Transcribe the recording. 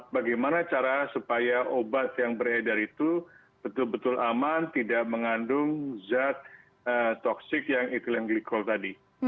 bagaimana cara supaya obat yang beredar itu betul betul aman tidak mengandung zat toksik yang etileng glikol tadi